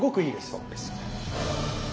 そうですか。